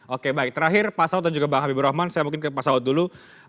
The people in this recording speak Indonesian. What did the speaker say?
oke baik terakhir pak saud dan juga bang habibur rahman saya mungkin ke pak saud dulu